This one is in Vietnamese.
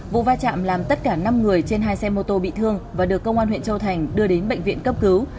vụ va chạm làm tất cả năm người trên hai xe mô tô bị thương và được công an huyện châu thành đưa đến bệnh viện cấp cứu